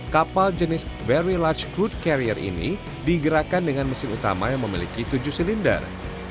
kapal jenis very lurch crude carrier ini digerakkan dengan mesin utama yang memiliki tujuh silinder